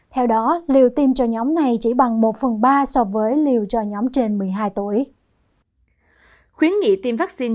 theo đó liều tiêm cho nhóm này chỉ bằng một phần ba so với liều cho nhóm trên một mươi hai tuổi